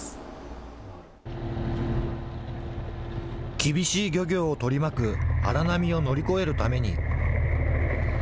厳しい漁業を取り巻く荒波を乗り越えるために。